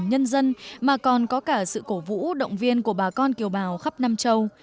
nhân dân mà còn có cả sự cổ vũ động viên của bà con kiều bào khắp nam châu